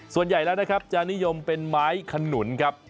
ส่วนใหญ่แล้วนะครับจะนิยมเป็นไม้ขนุนครับ